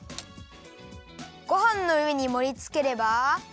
ごはんのうえにもりつければ。